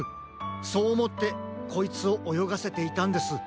そうおもってこいつをおよがせていたんです。